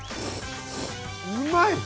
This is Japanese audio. うまい！